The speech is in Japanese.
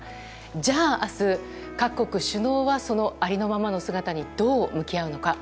じゃあ、明日各国首脳は、ありのままの姿にどう向き合うのか。